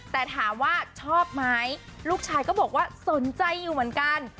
แต่ถามว่าชอบไหมลูกชายก็บอกว่าสนใจอยู่เหมือนกัน